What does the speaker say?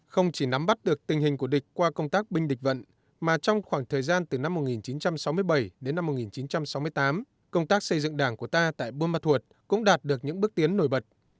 không chỉ nắm bắt được tình hình của địch qua công tác binh địch vận mà trong khoảng thời gian từ năm một nghìn chín trăm sáu mươi bảy đến năm một nghìn chín trăm sáu mươi tám công tác xây dựng đảng của ta tại buôn ma thuột cũng đạt được những bước tiến nổi bật